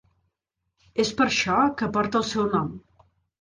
És per això que porta el seu nom.